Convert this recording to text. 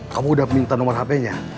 kamu udah minta nomor hpnya